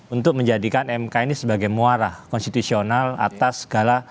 untuk menjadikan mk ini sebagai muara konstitusional atas segala